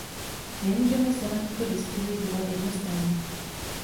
Nemůžeme se na tuto diskusi dívat jednostranně.